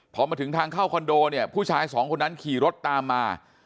พอมาถึงทางเข้าคอนโดเนี่ยผู้ชายสองคนนั้นขี่รถตามมา